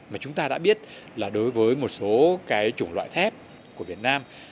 mà chúng ta đã biết là đối với một số cái chủng loại thép của việt nam